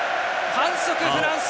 反則、フランス。